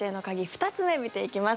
２つ目見ていきます。